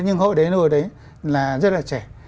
nhưng hội đến hồi đấy là rất là trẻ